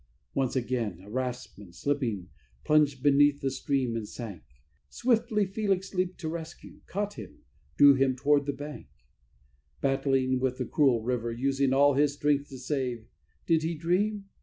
Once again, a raftsman, slipping, plunged beneath the stream and sank; Swiftly Felix leaped to rescue, caught him, drew him toward the bank Battling with the cruel river, using all his strength to save Did he dream?